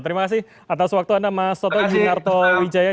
terima kasih atas waktu anda mas toto juniarto wijaya